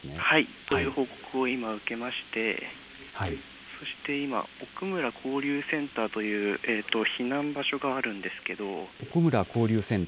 はい、という報告を今受けまして、そして今、おくむら交流センターという避難場所があるんですけれども。